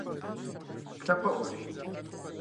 Лъапӏэӏуэщ.